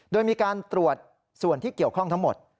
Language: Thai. โดยมีการตรวจส่วนที่เกี่ยวข้องทั้งหมด